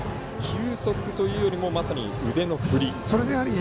球速というよりもまさに腕の振り。